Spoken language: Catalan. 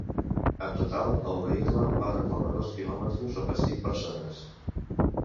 En total, el vehicle va recórrer dos quilòmetres envestint persones.